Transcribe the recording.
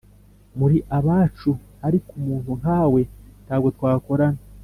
muri abacu Ariko umuntu nkawe ntabwo twakorana